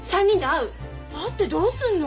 会ってどうすんの！？